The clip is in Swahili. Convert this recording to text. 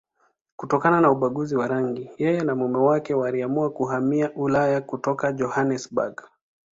Kutokana na ubaguzi wa rangi, yeye na mume wake waliamua kuhamia Ulaya kutoka Johannesburg.